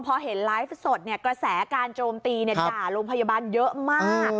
พอเห็นไลฟ์สดกระแสการโจมตีด่าโรงพยาบาลเยอะมาก